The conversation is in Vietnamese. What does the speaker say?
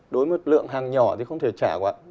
đối với một lượng hàng nhỏ thì không thể trả quá